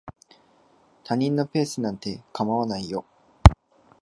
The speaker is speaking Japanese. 他人のペースなんて構わないよ。